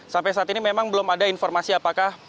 sampai saat ini memang belum ada informasi apakah